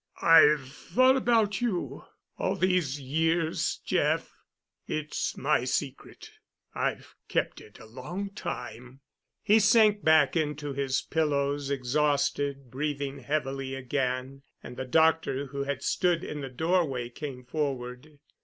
I've thought about you all these years, Jeff. It's my secret—I've kept it a long time——" He sank back into his pillows, exhausted, breathing heavily again, and the doctor who had stood in the doorway came forward.